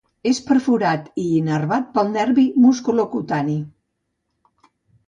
És perforat i innervat pel nervi musculocutani.